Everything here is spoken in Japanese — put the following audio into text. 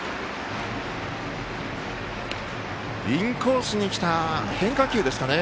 インコースにきた変化球ですかね。